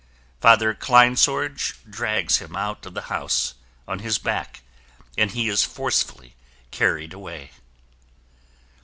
Father Kleinsorge drags him out of the house on his back and he is forcefully carried away.